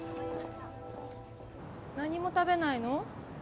何も食べないの？